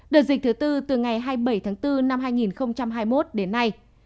đợt dịch thứ tư từ ngày hai mươi bảy tháng bốn năm hai nghìn hai mươi một đến nay